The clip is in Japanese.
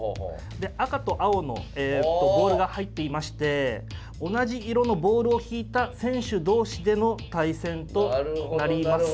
赤と青のボールが入っていまして同じ色のボールを引いた選手同士での対戦となります。